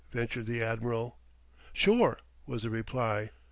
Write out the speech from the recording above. ventured the Admiral. "Sure," was the reply.